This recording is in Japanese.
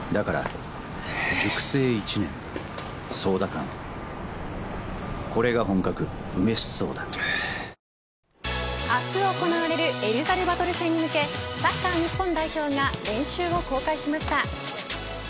広島が今シーズン明日行われるエルサルバドル戦に向けサッカー日本代表が練習を公開しました。